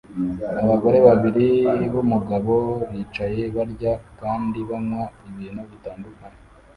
Abagore babiri n'umugabo bicaye barya kandi banywa ibintu bitandukanye